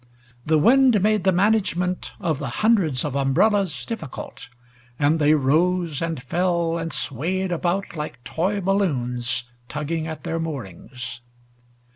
The wind made the management of the hundreds of umbrellas difficult, and they rose and fell and swayed about like toy balloons tugging at their moorings.